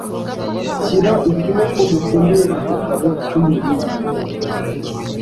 shyira ukuboko gukomeye Igitabo cyumuringa